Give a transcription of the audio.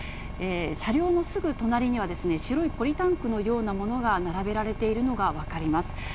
車両のすぐ隣には、白いポリタンクのようなものが並べられているのが分かります。